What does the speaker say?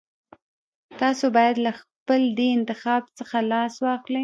تاسو بايد له خپل دې انتخاب څخه لاس واخلئ.